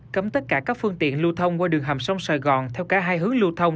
cấm tất cả các phương tiện lưu thông qua đường hầm sông sài gòn theo cả hai hướng lưu thông